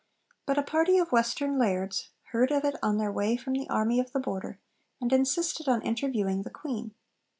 But a party of Western lairds heard of it on their way from the army of the Border, and insisted on interviewing the Queen.